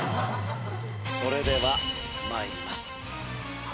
それでは参ります。